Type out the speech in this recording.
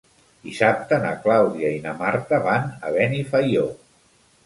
Dissabte na Clàudia i na Marta van a Benifaió.